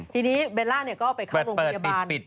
ทีนี้เบลล่าก็ไปเข้าโรงพยาบาล